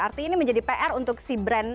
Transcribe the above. artinya ini menjadi pr untuk si brand